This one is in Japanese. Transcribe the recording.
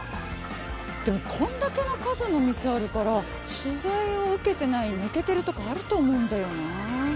でもこんだけの数の店あるから取材を受けてない抜けてるとこあると思うんだよなぁ。